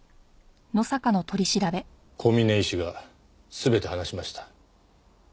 小峰医師が全て話しました。